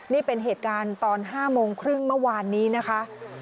นี่เป็นเหตุการณ์ตอน๕โมงครึ่งเมื่อวานนี้นะคะ